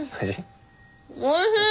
おいしい！